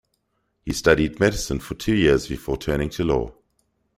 He studied medicine for two years before turning to law.